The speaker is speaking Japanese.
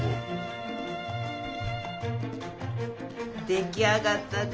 出来上がったで。